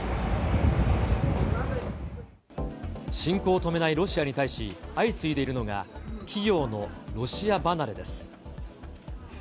侵攻を止めないロシアに対し、相次いでいるのが、企業のロシア離れです。